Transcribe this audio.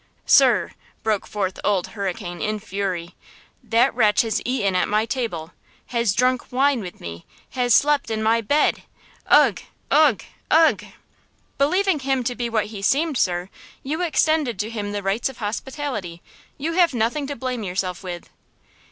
"Sir," broke forth Old Hurricane, in fury, "that wretch has eaten at my table! Has drunk wine with me!! Has slept in my bed!!! Ugh! ugh!! ugh!!!" "Believing him to be what he seemed, sir, you extended to him the rights of hospitality; you have nothing to blame yourself with!"